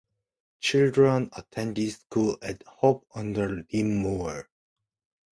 Children attended school at Hope under Dinmore.